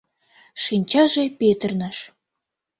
Шинчаже петырныш.